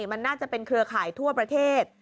มันน่าจะเป็นเครือข่ายทั่วประเทศ